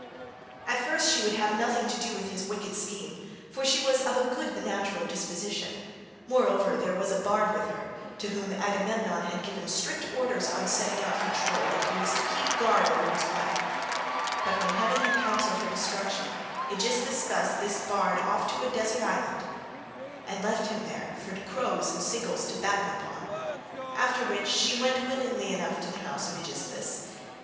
"At first she would have nothing to do with his wicked scheme, for she was of a good natural disposition;30 moreover there was a bard with her, to whom Agamemnon had given strict orders on setting out for Troy, that he was to keep guard over his wife; but when heaven had counselled her destruction, Aegisthus carried this bard off to a desert island and left him there for crows and seagulls to batten upon—after which she went willingly enough to the house of Aegisthus.